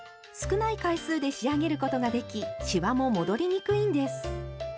少ない回数で仕上げることができしわも戻りにくいんです。